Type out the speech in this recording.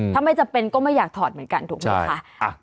ถ้าไม่จำเป็นก็ไม่อยากถอดเหมือนกันถูกไหมคะ